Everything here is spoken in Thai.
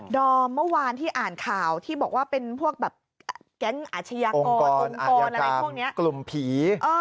ดอมเมื่อวานที่อ่านข่าวที่บอกว่าเป็นพวกแก๊งอาชญากรองค์กรกลุ่มผี